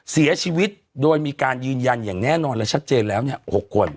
เสียชีวิตโดยมีการยืนยันอย่างแน่นอนและชัดเจนแล้ว๖คน